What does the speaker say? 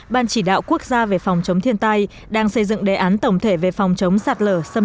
ban chỉ đạo quốc gia về phòng chống thiên tai đang xây dựng đề án tổng thể về phòng chống sạt lở xâm